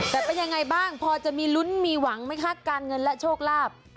แต่เป็นยังไงบ้างพอจะมีลุ้นมีหวังไหมคะการเงินและโชคลาภ